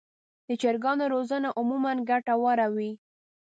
د چرګانو روزنه عموماً ګټه وره وي.